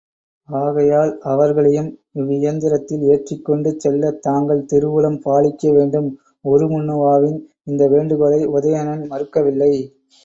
ஆகையால் அவர்களையும் இவ்வியந்திரத்தில் ஏற்றிக்கொண்டு செல்லத் தாங்கள் திருவுளம் பாலிக்கவேண்டும். உருமண்ணுவாவின் இந்த வேண்டுகோளை உதயணன் மறுக்கவில்லை.